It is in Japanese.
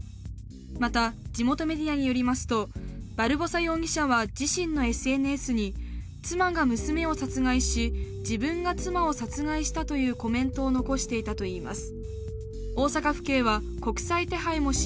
また、地元メディアによりますと、バルボサ容疑者は自身のＳＮＳに妻が娘を殺害し自分が妻を殺害したというコメントを残していたといいます。